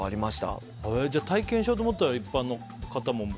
体験しようと思ったら一般の方も？